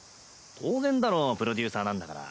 当然だろプロデューサーなんだから。